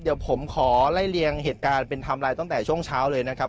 เดี๋ยวผมขอไล่เลียงเหตุการณ์เป็นไทม์ไลน์ตั้งแต่ช่วงเช้าเลยนะครับ